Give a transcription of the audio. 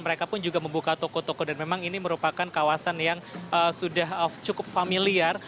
mereka pun juga membuka toko toko dan memang ini merupakan kawasan yang sudah cukup familiar